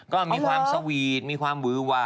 ก็มีความสวีทมีความ